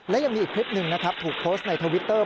และยังมีอีกคลิปหนึ่งนะครับถูกโพสต์ในทวิตเตอร์